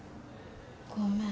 ごめん。